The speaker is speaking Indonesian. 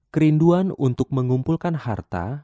kerinduan untuk mengumpulkan harta